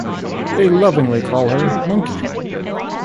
They lovingly call her Monkey.